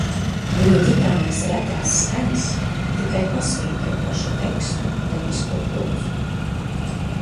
Viņa ģitāras retās skaņas tikai pasvītro pašu tekstu dabisko plūsmu.